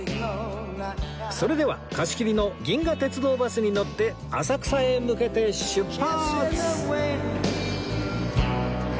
それでは貸し切りの銀河鉄道バスに乗って浅草へ向けて出発！